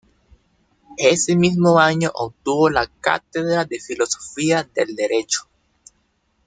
Ese mismo año obtuvo la cátedra de Filosofía del Derecho.